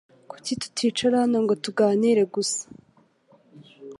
Kuki tuticara hano ngo tuganire gusa